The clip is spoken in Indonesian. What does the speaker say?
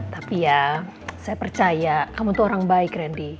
tapi ya saya percaya kamu tuh orang baik randy